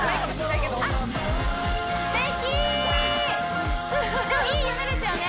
いい夢ですよね